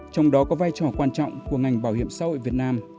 trong đó có vai trò quan trọng của ngành bảo hiểm xã hội việt nam